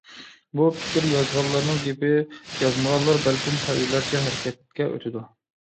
بۇ پىكىر يازغانلارنىڭ گېپى يازمىغانلار بەلكىم تەلۋىلەرچە ھەرىكەتكە ئۆتىدۇ.